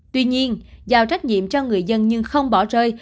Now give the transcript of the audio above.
tuy nhiên giao trách nhiệm cho người dân nhưng không bỏ rơi